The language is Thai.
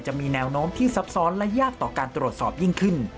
จะมีแนวโน้มที่ซับซ้อนและยากต่อการตรวจสอบยิ่งขึ้น